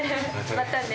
またね。